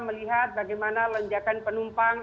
melihat bagaimana lenjakan penumpang